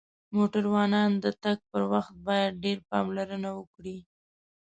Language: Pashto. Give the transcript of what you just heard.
موټروانان د تک پر وخت باید ډیر پاملرنه وکړی